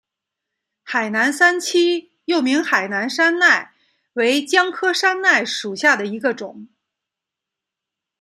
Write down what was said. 海南三七又名海南山柰为姜科山柰属下的一个种。